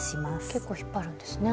結構引っ張るんですね。